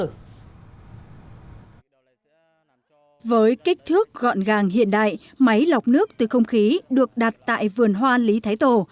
với kích thước gọn gàng hiện đại máy lọc nước từ không khí được đặt tại vườn hoa lý thái tổ